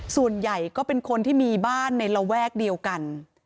ส่วนใหญ่ก็เป็นคนที่มีบ้านในระแวกเดียวกัน